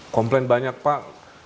komplain banyak pak